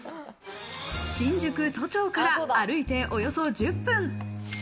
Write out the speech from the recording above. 新宿・都庁から歩いておよそ１０分。